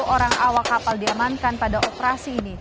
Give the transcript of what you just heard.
sepuluh orang awak kapal diamankan pada operasi ini